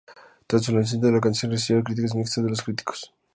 Tras su lanzamiento, la canción recibió críticas mixtas de los críticos.